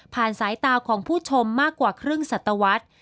สายตาของผู้ชมมากกว่าครึ่งสัตวรรษ